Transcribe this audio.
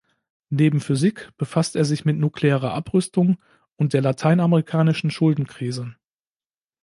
Neben Physik befasst er sich mit nuklearer Abrüstung und der lateinamerikanischen Schuldenkrise.